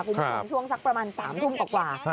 คุณผู้ชมช่วงสักประมาณ๓ทุ่มกว่า